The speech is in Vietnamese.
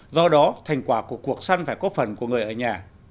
do đó thành quả của cuộc săn phải có phần của người ở nhà